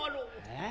えっ。